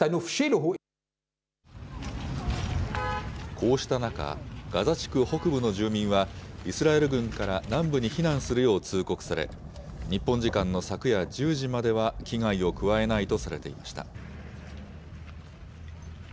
こうした中、ガザ地区北部の住民は、イスラエル軍から南部に避難するよう通告され、日本時間の昨夜１０時までは危害を加えないとされていました。